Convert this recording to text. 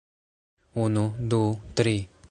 Unu... du... tri...